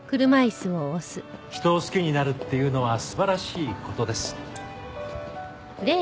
人を好きになるっていうのは素晴らしい事です。